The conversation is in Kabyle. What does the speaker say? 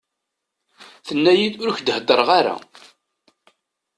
Tenna-iyi-d ur k-d-heddreɣ ara.